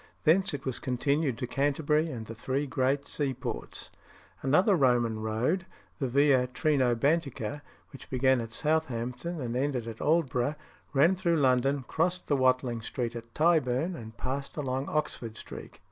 Thence it was continued to Canterbury and the three great seaports. Another Roman road, the Via Trinobantica, which began at Southampton and ended at Aldborough, ran through London, crossed the Watling Street at Tyburn, and passed along Oxford Street.